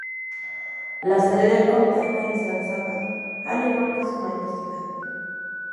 La sede del condado es San Saba, al igual que su mayor ciudad.